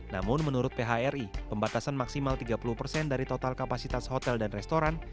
namun menurut phri pembatasan maksimal tiga puluh persen dari total kapasitas hotel dan restoran